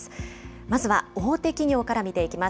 まずは大手企業から見ていきます。